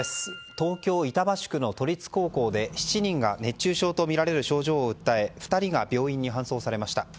東京・板橋区の都立高校で７人が熱中症とみられる症状を訴え２人が病院に搬送されました。